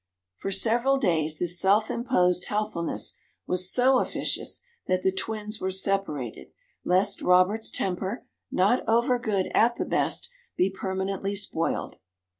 For several days this self imposed helpfulness was so officious that the twins were separated lest Robert's temper, not over good at the best, be permanently spoiled.